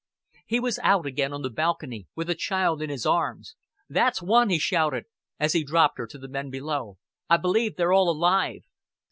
He was out again on the balcony, with a child in his arms. "That's one," he shouted, as he dropped her to the men below. "I b'lieve they're all alive."